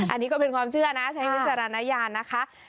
อันนี้ก็เป็นความเชื่อนะใช้วิจารณญาณนะคะ